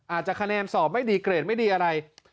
อาจจะคะแนนสอบไม่ดีเกรดไม่ดีอะไร